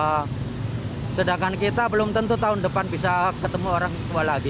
nah sedangkan kita belum tentu tahun depan bisa ketemu orang tua lagi